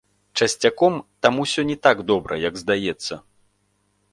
Часцяком там усё не так добра, як здаецца.